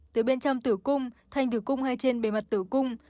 từ bên trong tử cung thành tử cung hay trên bề mặt tử cung